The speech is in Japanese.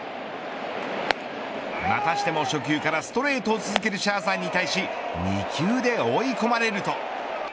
またしても初球からストレートを続けるシャーザーに対し２球で追い込まれると。